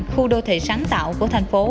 khu đô thị sáng tạo của thành phố